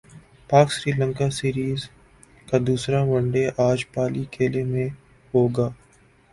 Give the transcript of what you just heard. پاک سری لنکا سیریز کا دوسرا ون ڈے اج پالی کیلے میں ہوگا